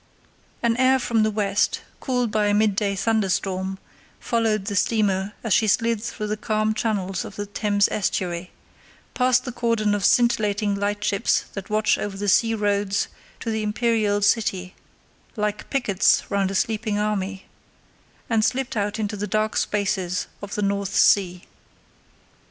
An air from the west, cooled by a midday thunderstorm, followed the steamer as she slid through the calm channels of the Thames estuary, passed the cordon of scintillating lightships that watch over the sea roads to the imperial city like pickets round a sleeping army, and slipped out into the dark spaces of the North Sea.